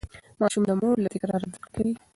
ماشوم د مور له تکرار زده کړه کوي.